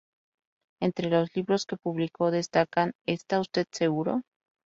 Entre los libros que publicó, destacan "¿Está usted seguro?